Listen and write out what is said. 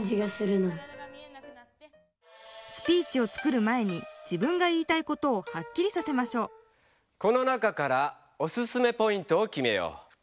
スピーチを作る前に自分が言いたいことをはっきりさせましょうこの中からオススメポイントをきめよう。